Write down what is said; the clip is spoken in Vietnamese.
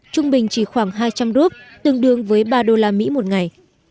trung bình chỉ khoảng hai trăm linh rup tương đương với ba đô la mỹ một ngày